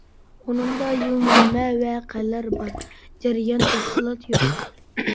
ئۇنىڭدا يىلنامە، ۋەقەلەر بار، جەريان، «تەپسىلات» يوق.